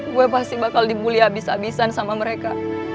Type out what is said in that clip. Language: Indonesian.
gue pasti bakal dibully abis abisan sama mereka